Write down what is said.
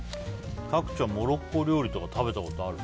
角ちゃん、モロッコ料理とか食べたことある？